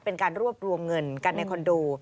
เป็นการรวบรวมเงินกันในคอนโด